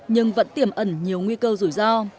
nhưng vẫn tiềm ẩn nhiều nguy cơ rủi ro